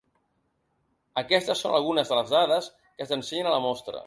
Aquestes són algunes de les dades que s’ensenyen a la mostra.